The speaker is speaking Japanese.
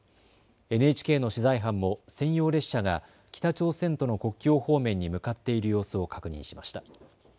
ＮＨＫの取材班も専用列車が北朝鮮との国境方面に向かっている様子を確認しました。